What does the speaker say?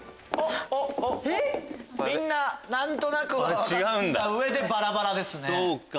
みんな何となく分かった上でバラバラですね。